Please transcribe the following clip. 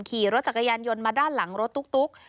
ขี่รถจักรยานยนต์มาด้านหลังรถตุ๊ก